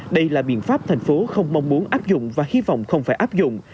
đây là biện pháp thành phố không mong muốn áp dụng và hy vọng không phải áp dụng